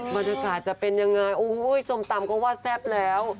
บรรยากาศจะเป็นยังไงโอ้โหส้มตำก็ว่าแซ่บแล้ว